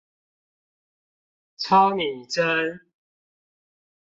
超擬真！